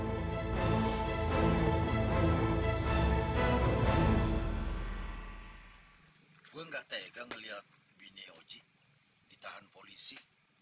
gue nggak tega ngelihat bini oji ditahan polisi